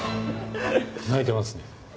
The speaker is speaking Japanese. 泣いてますね。